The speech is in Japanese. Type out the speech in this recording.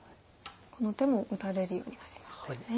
この手も打たれるようになりましたね。